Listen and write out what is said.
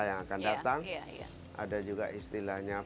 yang akan datang ada juga istilahnya